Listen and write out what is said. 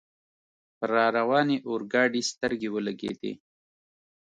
پر را روانې اورګاډي سترګې ولګېدې.